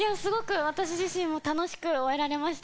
私自身も楽しく終えられました。